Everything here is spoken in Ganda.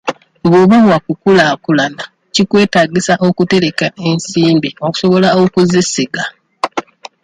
Bw'oba wakukulaakulana kikwetaagisa okutereka ensimbi osobola okuzisiga.